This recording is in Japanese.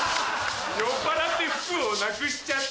酔っぱらって服をなくしちゃった。